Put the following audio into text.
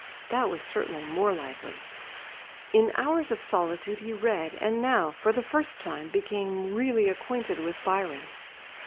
That was certainly more lively. In hours of solitude he read, and now for the first time, became really acquainted with Byron.